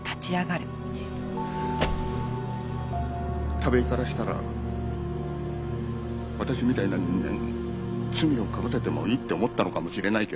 田部井からしたら私みたいな人間罪をかぶせてもいいって思ったのかもしれないけど。